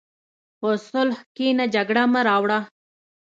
په صلح کښېنه، جګړه مه راوړه.